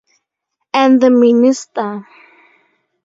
And the Minister.